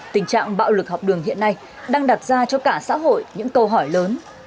tình trạng bạo lực học đường hiện nay đang đặt ra cho cả xã hội những câu hỏi lớn